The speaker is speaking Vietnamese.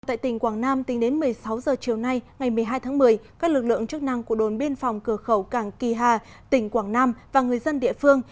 tại tỉnh quảng nam tính đến một mươi sáu h chiều nay ngày một mươi hai tháng một mươi các lực lượng chức năng của đồn biên phòng cửa khẩu cảng kỳ hà tỉnh quảng nam và người dân địa phương